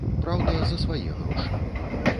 Праўда, за свае грошы.